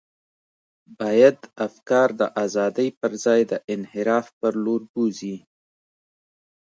باید افکار د ازادۍ پر ځای د انحراف پر لور بوزي.